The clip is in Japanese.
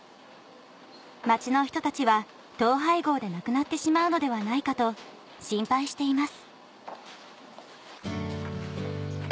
町の人たちは統廃合でなくなってしまうのではないかと心配しています